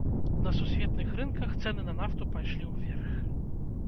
На сусветных рынках цэны на нафту пайшлі ўверх.